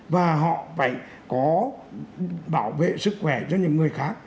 và họ phải có bảo vệ sức khỏe cho những người khác